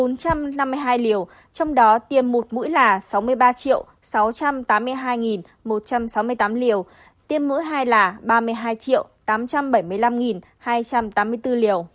trong đó tiêm một mũi là sáu mươi ba sáu trăm tám mươi hai một trăm sáu mươi tám liều tiêm mũi hai là ba mươi hai tám trăm bảy mươi năm hai trăm tám mươi bốn liều